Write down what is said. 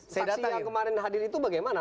saya datangin kemarin hadir itu bagaimana